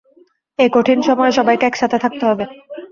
এই কঠিন সময়ে সবাইকে একসাথে থাকতে হবে।